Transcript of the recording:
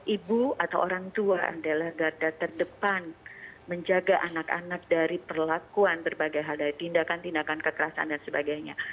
ibu atau orang tua adalah garda terdepan menjaga anak anak dari perlakuan berbagai hal dari tindakan tindakan kekerasan dan sebagainya